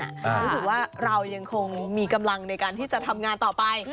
รู้สึกว่าเรายังคงมีกำลังในการที่จะทำงานต่อไป